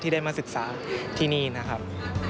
ได้มาศึกษาที่นี่นะครับ